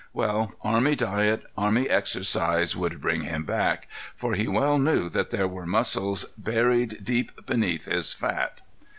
Well, army diet, army exercise would bring him back, for he well knew that there were muscles buried deep beneath his fat.